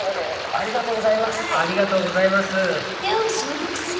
ありがとうございますすごい。